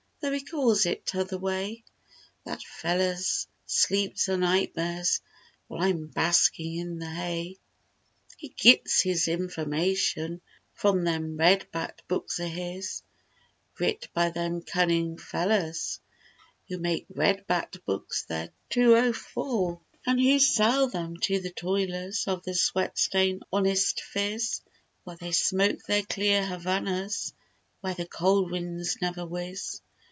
(Though he calls it 'tother way) — That feller's sleeps are nightmares. While I'm "baskin' in the hay." He gits his information From them red backed books o' his, Writ by them cunnin' fellers Who make red backed books their 204 An' who sell them to the toilers Of the sweat stained honest phiz; While they smoke their "Clear Havanas" Where the cold winds never whiz.